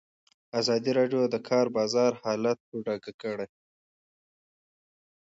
ازادي راډیو د د کار بازار حالت په ډاګه کړی.